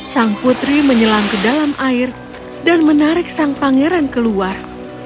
sang putri menyelam ke dalam air dan menarik sang pangeran keluar